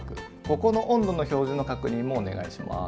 ここの温度の表示の確認もお願いします。